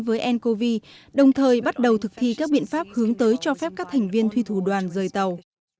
với ncov đồng thời bắt đầu thực thi các biện pháp hướng tới cho phép các thành viên thuy thủ đoàn rời tàu